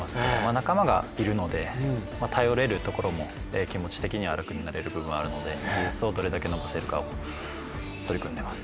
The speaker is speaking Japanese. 仲間がいるので、頼れるところも気持ち的には楽になれるところがあるので、どれだけ残せるかを取り組んでいます。